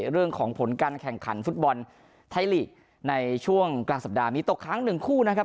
เรื่องของผลการแข่งขันฟุตบอลไทยลีกในช่วงกลางสัปดาห์มีตกค้างหนึ่งคู่นะครับ